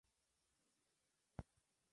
Se crió bajo la religión de Judaísmo reformista.